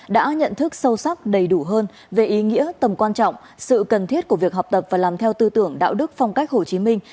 đã nhận thức sâu sắc đầy đủ hơn về ý nghĩa tầm quan trọng sự cần thiết của việc học tập và làm theo tư tưởng đạo đức phong cách hồ chí minh